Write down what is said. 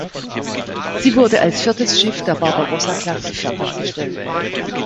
Sie wurde als viertes Schiff der "Barbarossa"-Klasse fertiggestellt.